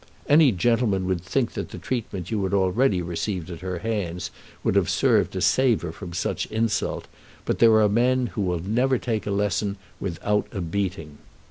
Any gentleman would think that the treatment you had already received at her hands would have served to save her from such insult, but there are men who will never take a lesson without a beating.